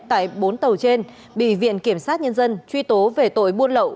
tại bốn tàu trên bị viện kiểm sát nhân dân truy tố về tội buôn lậu